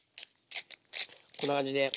こんな感じで。